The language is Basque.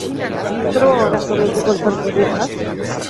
Zer gogoratzen duzu kontzertu horietaz?